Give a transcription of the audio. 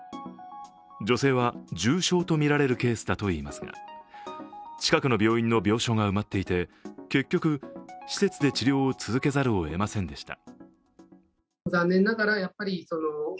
女性は重症とみられるケースだといいますが、近くの病院の病床が埋まっていて結局、施設で治療を続けざるをえませんでした。